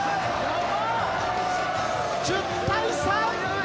１０対３。